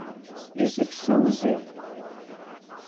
Изыԥсоузеи?